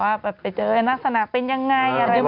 ว่าไปเจอนักษณะเป็นอย่างไร